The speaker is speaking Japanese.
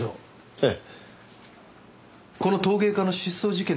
ええ。